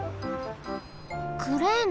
クレーンだ。